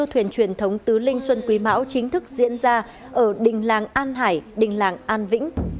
thuyền truyền thống tứ linh xuân quý mão chính thức diễn ra ở đình làng an hải đình làng an vĩnh